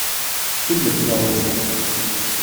Kemmel taɣuzi.